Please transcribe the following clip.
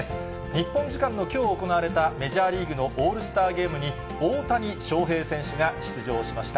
日本時間のきょう行われた、メジャーリーグのオールスターゲームに、大谷翔平選手が出場しました。